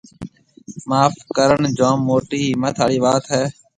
معاف ڪرڻ جوم موٽِي هِمٿ آݪِي وات هيَ۔